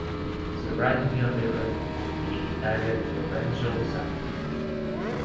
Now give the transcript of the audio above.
The ranked heavyweight would be Italian Lorenzo Zanon.